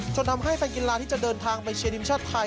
ทำให้แฟนกีฬาที่จะเดินทางไปเชียร์ทีมชาติไทย